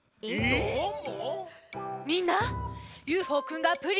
どーも。